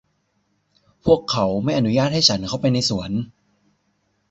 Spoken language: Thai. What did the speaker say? พวกเขาไม่อนุญาตให้ฉันเข้าไปในสวน